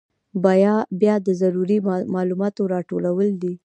بیا د ضروري معلوماتو راټولول دي.